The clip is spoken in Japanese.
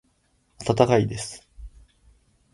温かいです。